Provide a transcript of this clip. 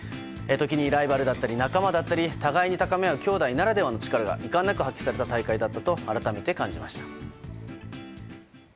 時にライバルだったり仲間だったり互いに高めあうきょうだいならではの力がいかんなく発揮された大会だったと改めて感じました。